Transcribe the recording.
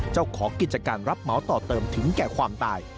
เจ้าของกิจการรับเหมาต่อเติมถึงแก่ความตาย